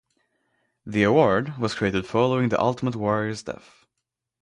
The award was created following The Ultimate Warrior's death.